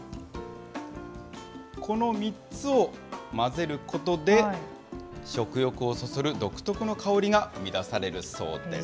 この３つを混ぜることで、食欲をそそる独特の香りが生み出されるそうです。